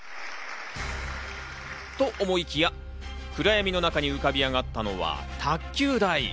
と思いきや、暗闇の中に浮かび上がったのは卓球台。